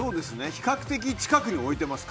比較的近くに置いてます。